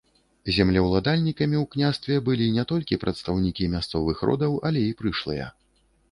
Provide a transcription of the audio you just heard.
Землеўладальнікамі ў княстве былі не толькі прадстаўнікі мясцовых родаў, але і прышлыя.